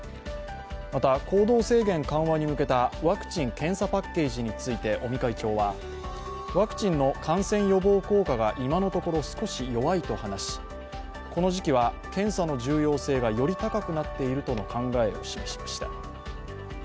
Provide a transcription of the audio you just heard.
また、行動制限緩和に向けたワクチン・検査パッケージについて尾身会長はワクチンの感染予防効果が今のところ少し弱いと話し、この時期は検査の重要性がより高くなっているとの考えを示しました。